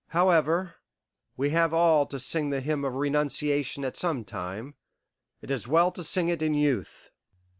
However, we have all to sing the hymn of Renunciation at some time; it is well to sing it in youth."